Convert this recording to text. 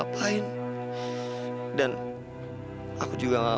iya yang kedenget